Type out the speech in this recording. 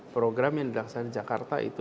program yang dilaksanakan jakarta itu